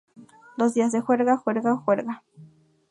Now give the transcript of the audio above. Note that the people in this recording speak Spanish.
Los días de juerga, juerga, juerga.